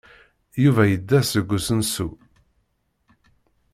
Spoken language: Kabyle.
Yuba yedda seg usensu.